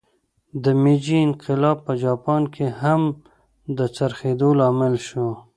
د میجي انقلاب په جاپان کې هم د څرخېدو لامل شو.